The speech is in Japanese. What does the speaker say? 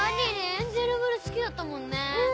エンジェルブルー好きだったもんね。